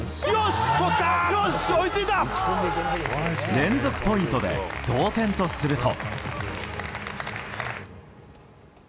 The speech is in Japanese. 連続ポイントで同点とすると。